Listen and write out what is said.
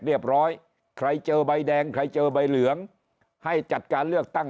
ใครเจอใบแดงใครเจอใบเหลืองให้จัดการเลือกตั้ง